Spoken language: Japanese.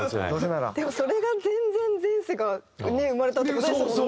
でもそれが『前前前世』がね生まれたって事ですもんね？